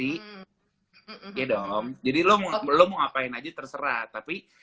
iya dong jadi lo belum mau ngapain aja terserah tapi